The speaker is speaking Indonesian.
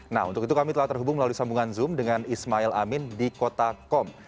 nah untuk itu kami telah terhubung melalui sambungan zoom dengan ismail amin di kota kom